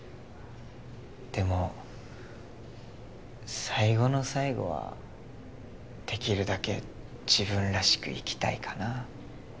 でも最期の最期はできるだけ自分らしく逝きたいかなあ。